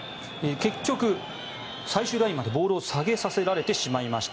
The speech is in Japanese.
結局、最終ラインまでボールを下げさせられてしまいました。